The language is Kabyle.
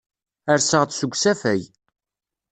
Rseɣ-d seg usafag.